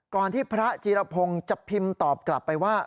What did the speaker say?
ที่พระจีรพงศ์จะพิมพ์ตอบกลับไปว่า